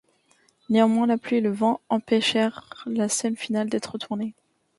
Néanmoins la pluie et le vent empêchèrent la scène finale d'être tournée.